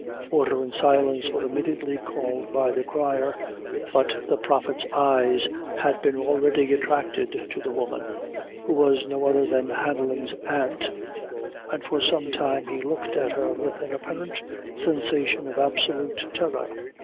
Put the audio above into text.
Order and silence were immediately called by the crier, but the Prophet's eyes had been already attracted to the woman, who was no other than Hanlon's aunt, and for some time he looked at her with an apparent sensation of absolute terror.